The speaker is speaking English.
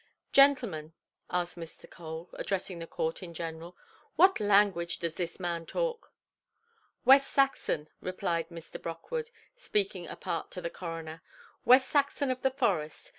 "Gentlemen", asked Mr. Cole, addressing the court in general, "what language does this man talk"? "West Saxon", replied Mr. Brockwood, speaking apart to the coroner; "West Saxon of the forest.